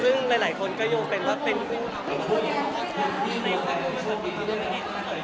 ซึ่งหลายคนก็โยงเป็นว่าเป็นผู้ในวันนี้ค่ะ